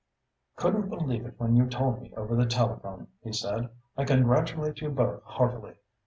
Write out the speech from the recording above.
"Couldn't believe it when you told me over the telephone," he said. "I congratulate you both heartily.